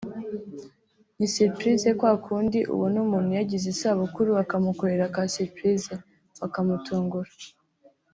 ni surprise kwa kundi ubona umuntu yagize isabukuru bakamukorera ka surprise(bakamutungura)